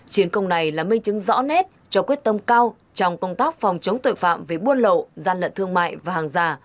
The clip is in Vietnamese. chiến công này là minh chứng rõ nét cho quyết tâm cao trong công tác phòng chống tội phạm về buôn lậu gian lận thương mại và hàng giả